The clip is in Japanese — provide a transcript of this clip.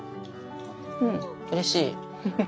うんうれしい。